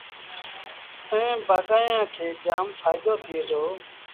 ائيٚݩ بآگآيآݩ کي جآم ڦآئيدو ٿئي دو۔